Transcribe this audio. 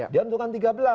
dia menentukan tiga belas